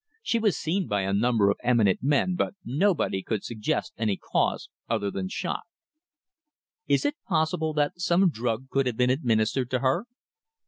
She was seen by a number of eminent men, but nobody could suggest any cause other than shock." "Is it possible that some drug could have been administered to her?"